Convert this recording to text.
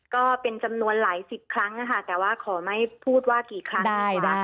ก็เป็นจำนวนหลายสิบครั้งนะคะแต่ว่าขอไม่พูดว่ากี่ครั้ง